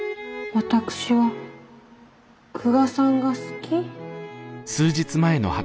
私は久我さんが好き。